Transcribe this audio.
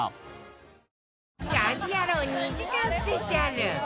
『家事ヤロウ！！！』２時間スペシャル